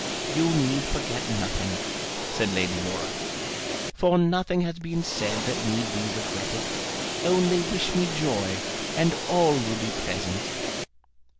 You need forget nothing," said Lady Laura, "for nothing has been said that need be regretted. Only wish me joy, and all will be pleasant."